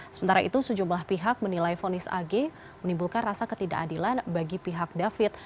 sementara itu sejumlah pihak menilai fonis ag menimbulkan rasa ketidakadilan bagi pihak david